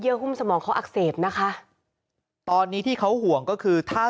หุ้มสมองเขาอักเสบนะคะตอนนี้ที่เขาห่วงก็คือถ้า